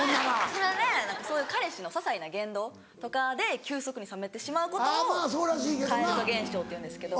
それでそういう彼氏のささいな言動とかで急速に冷めてしまうことを蛙化現象っていうんですけど。